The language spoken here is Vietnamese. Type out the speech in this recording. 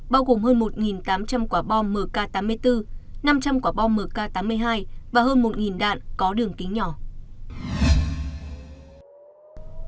bao gồm hơn một tám trăm linh quả bom mk tám mươi bốn năm trăm linh quả bom mk tám mươi hai và hơn một đạn có đường kính nhỏ